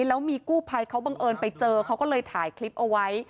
แล้วมีกู้ภัยเขาบังเอิญไปเจอเขาก็เลยถ่ายคลิปเอาไว้